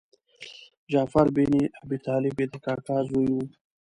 جعفر بن ابي طالب یې د کاکا زوی و.